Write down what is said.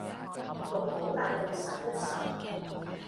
綠帽戴到實一實